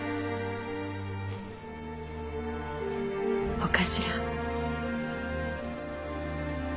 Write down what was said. お頭。